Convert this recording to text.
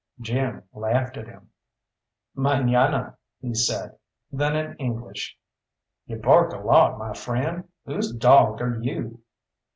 Jim laughed at him. "Mañana," he said. Then in English, "You bark a lot, my friend. Whose dog are you?"